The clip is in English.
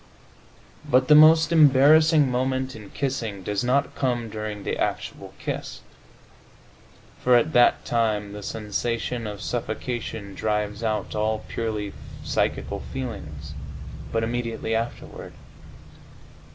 But the most embarrassing moment, in kissing, does not come during the actual kiss (for at that time the sensation of suffocation drives out all purely psychical feelings), but immediately afterward.